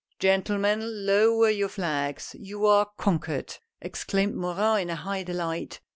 " Gentlemen, lower your fiags — you are conquered !" exclaimed Morin in high delight.